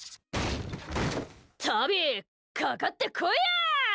タビ、かかってこいや！